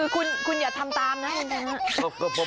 คือคุณอย่าทำตามนะ